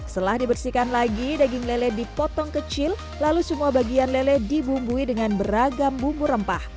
setelah dibersihkan lagi daging lele dipotong kecil lalu semua bagian lele dibumbui dengan beragam bumbu rempah